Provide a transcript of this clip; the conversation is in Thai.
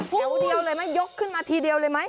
แถวเดียวเลยไหมยกขึ้นมาทีเดียวเลยไหม